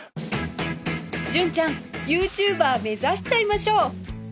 純ちゃんユーチューバー目指しちゃいましょう